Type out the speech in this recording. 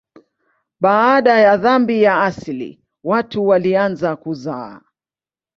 Baada ya dhambi ya asili watu walianza kuzaa.